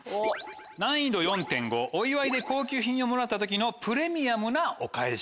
難易度４．５お祝いで高級品をもらった時のプレミアムなお返し。